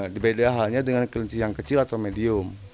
dibeda halnya dengan kelinci yang kecil atau medium